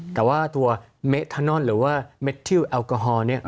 แต่ว่าตัวเมทานนอนหรือว่าเมทิวแอลกอฮอล์